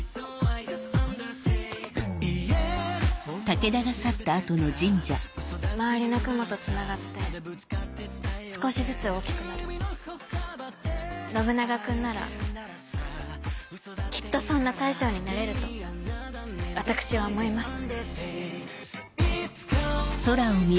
強さは誰かを守るためにある私は強くなる周りの雲とつながって少しずつ大きくなる信長君ならきっとそんな大将になれると私は思います